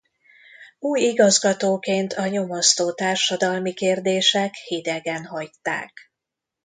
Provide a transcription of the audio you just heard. Új igazgatóként a nyomasztó társadalmi kérdések hidegen hagyták.